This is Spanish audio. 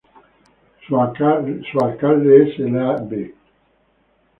Su alcalde es el Ab.